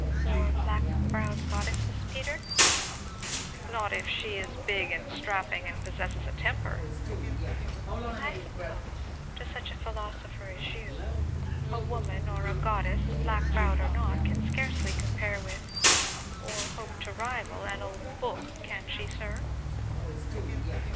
"Or black browed goddesses, Peter?" "Not if she is big and strapping, and possesses a temper." "I suppose to such a philosopher as you a woman or a goddess, black browed or not, can scarcely compare with, or hope to rival an old book, can she, sir?"